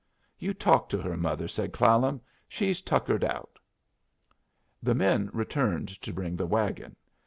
"You talk to her, mother," said Clallam. "She's tuckered out." The men returned to bring the wagon.